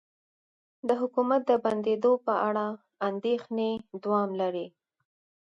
د حکومت د بندیدو په اړه اندیښنې دوام لري